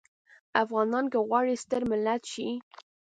افغانان که غواړي ستر ملت شي.